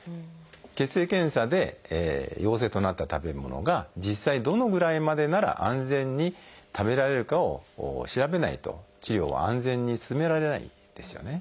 血液検査で陽性となった食べ物が実際どのぐらいまでなら安全に食べられるかを調べないと治療は安全に進められないんですよね。